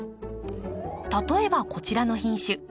例えばこちらの品種。